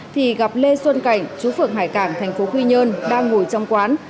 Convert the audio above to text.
thì gặp lê xuân cảnh trú phường hải cảng thành phố quy nhơn đang ngồi trong quán